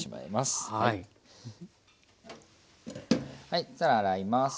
はいじゃあ洗います。